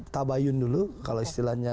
tabayun dulu kalau istilahnya